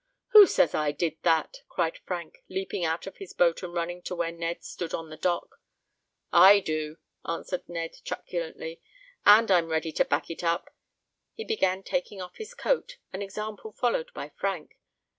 "Who says I did that?" cried Frank, leaping out of his boat and running to where Ned stood on the dock. "I do!" answered Ned truculently, "and I'm ready to back it up!" He began taking off his coat, an example followed by Frank.